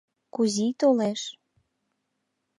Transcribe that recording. Кузий толеш.